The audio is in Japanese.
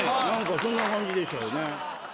なんかそんな感じでしたよね。